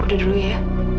udah dulu ya